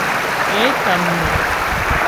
Ě kam mo.